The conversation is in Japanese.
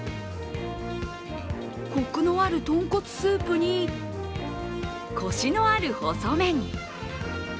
コクのある豚骨スープに、コシのある細麺。